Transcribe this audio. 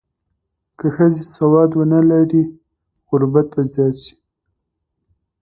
که ښځې سواد ونه لري، غربت به زیات شي.